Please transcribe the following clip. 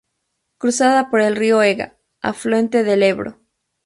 Cruzada por el río Ega, afluente del Ebro.